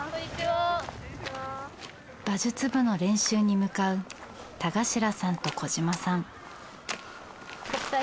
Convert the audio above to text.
馬術部の練習に向かう田頭さんと小嶋さん。